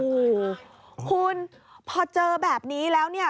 โอ้โหคุณพอเจอแบบนี้แล้วเนี่ย